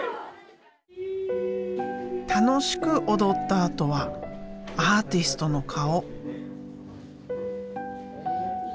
楽しく踊ったあとはアーティストの顔。